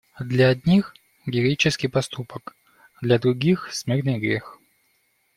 Для одних - героический поступок, для других - смертный грех.